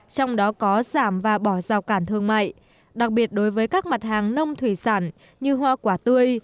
trong đó có giảm và bỏ rào cản thương mại đặc biệt đối với các mặt hàng nông thủy sản như hoa quả tươi